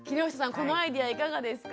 このアイデアいかがですか？